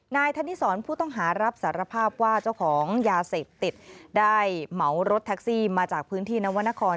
ธนิสรผู้ต้องหารับสารภาพว่าเจ้าของยาเสพติดได้เหมารถแท็กซี่มาจากพื้นที่นวรรณคร